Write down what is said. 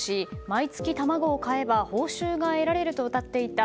毎月卵を買えば報酬が得られるとうたっていた